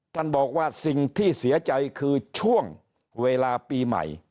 ท่านบอกว่าสิ่งที่เสียใจคือช่วงเวลาปีใหม่